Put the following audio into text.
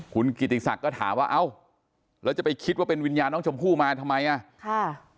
คุณกิติศักดิ์ก็ถามว่าเอ้าแล้วจะไปคิดว่าเป็นวิญญาณน้องชมพู่มาทำไมอ่ะค่ะ